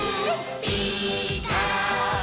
「ピーカーブ！」